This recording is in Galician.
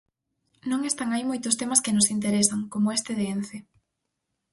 Non están aí moitos temas que nos interesan, como este de Ence.